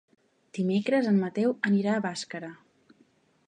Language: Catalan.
Dimecres en Mateu anirà a Bàscara.